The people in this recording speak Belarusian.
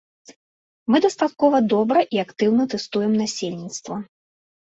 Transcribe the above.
Мы дастаткова добра і актыўна тэстуем насельніцтва.